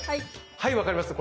はい分かりますか？